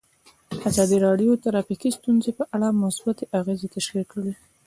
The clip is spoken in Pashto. ازادي راډیو د ټرافیکي ستونزې په اړه مثبت اغېزې تشریح کړي.